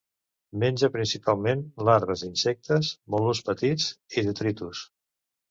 Menja principalment larves d'insectes, mol·luscs petits i detritus.